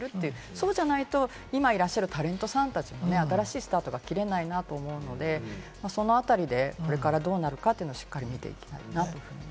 そうでないと、今いらっしゃるタレントさんも新しいスタートを切れないと思うので、その辺りでこの後、どうなるかをしっかり見ていきたいなと思います。